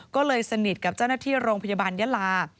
ก็เลยสนิทกับเจ้าหน้าที่โรงพยาบาลยะลา